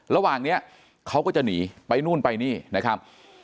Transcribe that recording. ระหว่างนี้เขาก็จะหนีไปนู่นไปนี่นะครับ